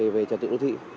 về trật tự đô thị